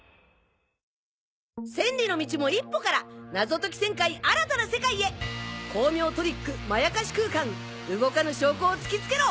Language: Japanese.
千里の道も一歩から謎解き１０００回新たな世界へ巧妙トリックまやかし空間動かぬ証拠を突きつけろ